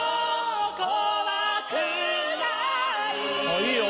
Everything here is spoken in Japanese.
あいいよ